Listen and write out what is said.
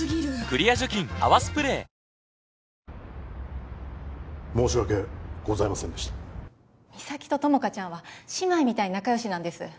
クリア除菌「泡スプレー」申し訳ございませんでした実咲と友果ちゃんは姉妹みたいに仲良しなんです